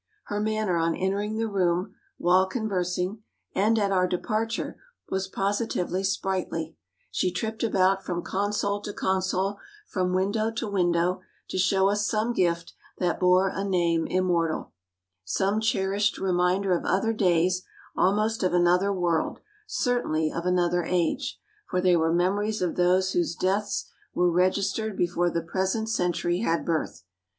Her manner on entering the room, while conversing, and at our departure, was positively sprightly; she tripped about from console to console, from window to window, to show us some gift that bore a name immortal, some cherished reminder of other days almost of another world, certainly of another age; for they were memories of those whose deaths were registered before the present century had birth....